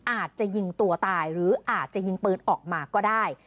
อาจจะยิงตัวตายหรืออาจจะยิงปืนออกมาก็ได้